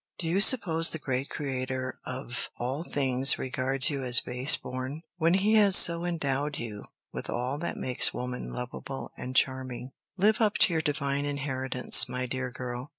Do you suppose the great Creator of all things regards you as base born, when he has so endowed you with all that makes woman lovable and charming. Live up to your divine inheritance, my dear girl.